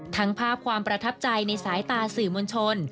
ภาพความประทับใจในสายตาสื่อมวลชน